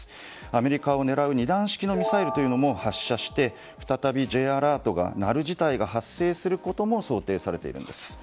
アメリカを狙う２段式のミサイルというのも発射して再びＪアラートが鳴る事態が発生することも想定されているんです。